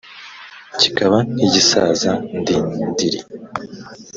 kikaba nk’igisaza dindiri